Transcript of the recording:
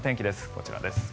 こちらです。